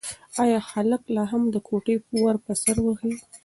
ایا هلک لا هم د کوټې ور په سر وهي؟